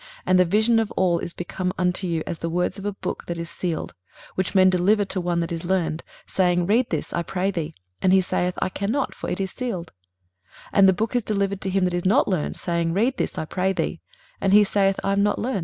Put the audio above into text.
23:029:011 And the vision of all is become unto you as the words of a book that is sealed, which men deliver to one that is learned, saying, Read this, I pray thee: and he saith, I cannot; for it is sealed: 23:029:012 And the book is delivered to him that is not learned, saying, Read this, I pray thee: and he saith, I am not learned.